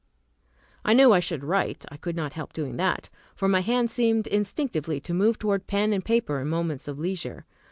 I knew I should write; I could not help doing that, for my hand seemed instinctively to move towards pen and paper in moments of leisure.